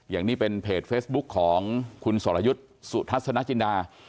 อย่างนี้เป็นเพจเฟซบุ๊คของคุณสรยุทธ์สุทัศนจินดา